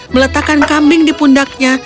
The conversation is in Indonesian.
meletakkan kambing di pundaknya